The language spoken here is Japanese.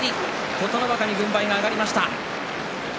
琴ノ若に軍配が上がりました。